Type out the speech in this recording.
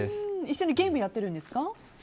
一緒にゲームやってるんですか。